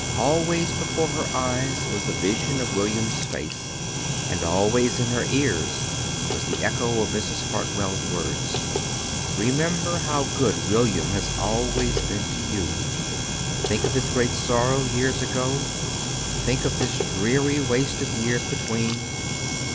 Always before her eyes was the vision of William's face; and always in her ears was the echo of Mrs. Hartwell's words: "Remember how good William has always been to you. Think of his great sorrow years ago. Think of this dreary waste of years between.